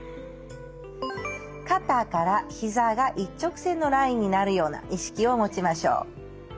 肩からひざが一直線のラインになるような意識を持ちましょう。